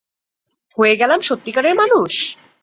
হয়ে গেলাম সত্যিকারের মানুষ!?